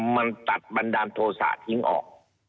มันตัดบันดาลโทษะทิ้งออก